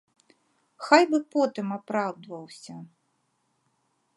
Хай бы потым апраўдваўся.